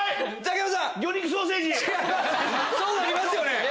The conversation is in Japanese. そうなりますよね。